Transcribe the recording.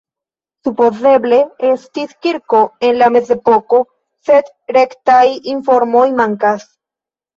Supozeble estis kirko en la mezepoko, sed rektaj informoj mankas.